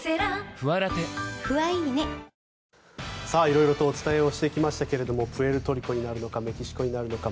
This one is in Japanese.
色々とお伝えをしてきましたがプエルトリコになるのかメキシコになるのか。